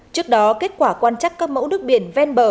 trước đó kết quả quan trắc các mẫu nước biển ven bờ